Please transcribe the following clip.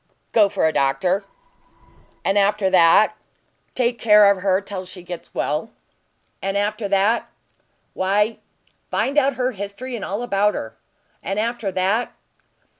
"Go for a doctor." "And after that?" "Take care of her till she gets well." "And after that?" "Why find out her history, and all about her." "And after that?"